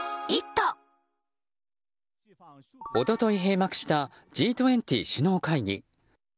一昨日、閉幕したＧ２０首脳会議。